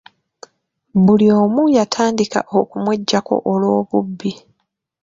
Buli omu yatandika okumweggyako olw'obubbi.